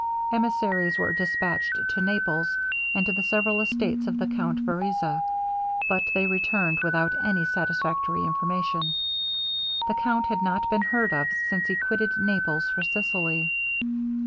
Emissaries were dispatched to Naples, and to the several estates of the Count Vereza, but they returned without any satisfactory information. The count had not been heard of since he quitted Naples for Sicily.